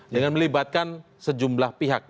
dengan melibatkan sejumlah pihak